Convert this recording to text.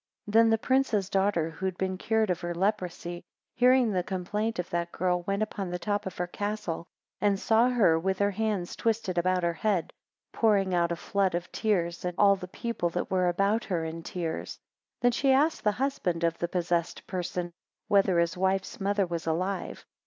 6 Then the prince's daughter, who had been cured of her leprosy, hearing the complaint of that girl, went upon the top of her castle, and saw her with her hands twisted about her head, pouring out a flood of tears, and all the people that were about her in tears. 7 Then she asked the husband of the possessed person, Whether his wife's mother was alive?